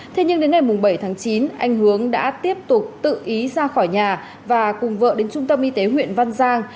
thế nhưng đến ngày bảy tháng chín anh hướng đã tiếp tục tự ý ra khỏi nhà và cùng vợ đến trung tâm y tế huyện văn giang